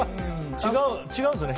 違うんですよね